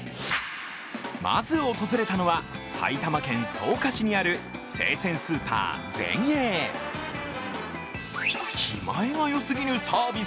まず訪れたのは埼玉県草加市にある生鮮スーパーゼンエー。